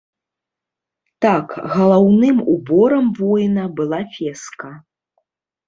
Так, галаўным уборам воіна была феска.